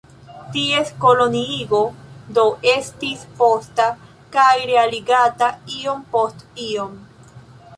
Ties koloniigo, do, estis posta kaj realigata iom post iom.